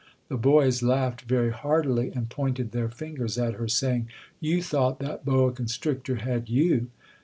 The boys laughed very heartily and pointed their fin gers at her, saying, "You thought that boa con strictor had you!"